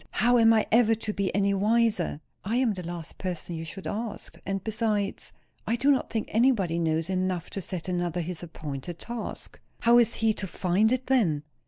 How am I ever to be any wiser?" "I am the last person you should ask. And besides, I do not think anybody knows enough to set another his appointed task." "How is he to find it, then?"